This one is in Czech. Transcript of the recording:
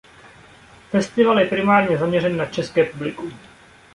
Festival je primárně zaměřen na české publikum.